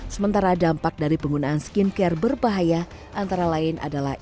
sementara dampak dari penggunaan skincare berbahaya antara lain adalah